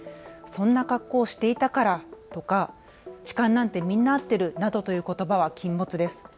そんな格好をしていたからとか痴漢なんてみんな遭ってるなどということばは禁物です。